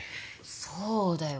そうだよ